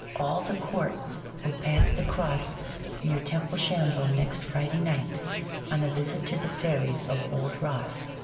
All the court will pass the cross near Templeshambo next Friday night, on a visit to the fairies of Old Ross.